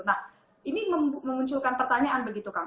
nah ini memunculkan pertanyaan begitu kang